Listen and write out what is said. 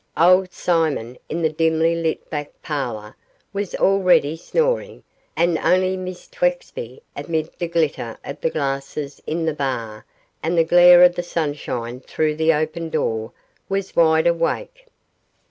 Old Simon, in the dimly lit back parlour, was already snoring, and only Miss Twexby, amid the glitter of the glasses in the bar and the glare of the sunshine through the open door, was wide awake.